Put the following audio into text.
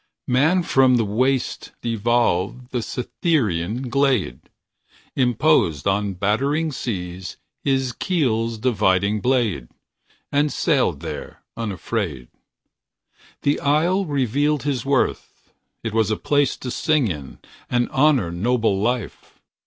Man from the waste evolved Man from the waste evolved The Cytherean glade. Imposed on battering seas His keel's dividing blade. And sailed there, unafraid. The isle revealed his worth. It was a place to sing in And honor noble life.